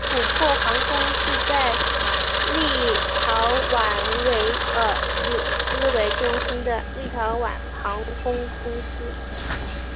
琥珀航空是在立陶宛维尔纽斯为中心的立陶宛航空公司。